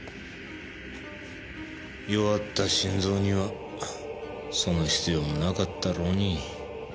弱った心臓にはその必要もなかったろうに。